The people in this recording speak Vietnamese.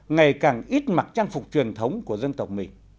ngày càng ít mặc trang phục truyền thống của dân tộc mình